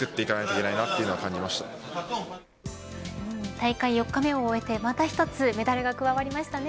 大会４日目を終えてまた１つメダルが加わりましたね。